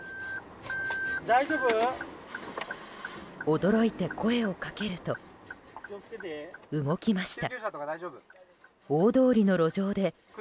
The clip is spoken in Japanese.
驚いて声をかけると動きました。